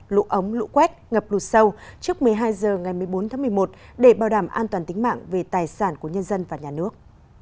lũ ống lũ quét ngập lụt sâu trước một mươi hai h ngày một mươi bốn tháng một mươi một để bảo đảm an toàn tính mạng về tài sản của nhân dân và nhà nước